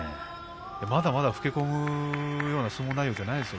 まだまだ老け込むような相撲内容じゃないですよ。